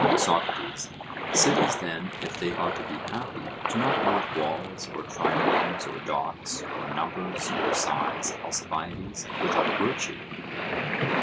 SOCRATES: Cities, then, if they are to be happy, do not want walls, or triremes, or docks, or numbers, or size, Alcibiades, without virtue?